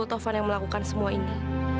taufan yang melakukan semua ini